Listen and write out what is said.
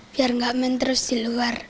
biar nggak main terus di luar